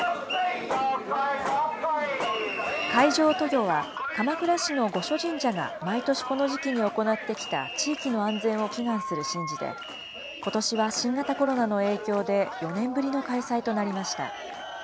海上渡御は鎌倉市の五所神社が毎年この時期に行ってきた、地域の安全を祈願する神事で、ことしは新型コロナの影響で４年ぶりの開催となりました。